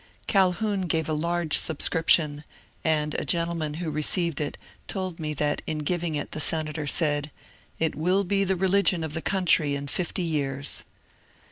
Calhoun gave a large subscription, and a gentleman who received it told me that in giving it the senator said :^^ It will be the religion of the country in fifty years."